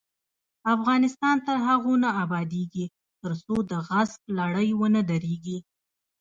افغانستان تر هغو نه ابادیږي، ترڅو د غصب لړۍ ونه دریږي.